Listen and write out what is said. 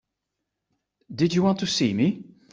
Did you want to see me?